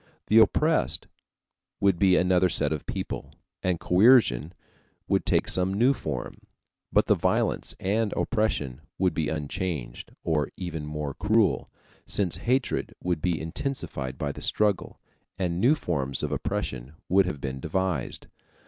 The oppressed would be another set of people, and coercion would take some new form; but the violence and oppression would be unchanged or even more cruel, since hatred would be intensified by the struggle, and new forms of oppression would have been devised.